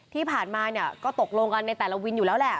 ที่ผ่านมาเนี่ยก็ตกลงกันในแต่ละวินอยู่แล้วแหละ